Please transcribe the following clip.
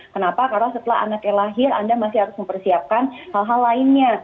kenapa karena setelah anaknya lahir anda masih harus mempersiapkan hal hal lainnya